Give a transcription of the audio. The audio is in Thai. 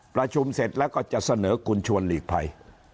ประชุมเสร็จแล้วก็จะเสนอคุณชวนหลีกภัย